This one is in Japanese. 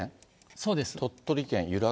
そうです。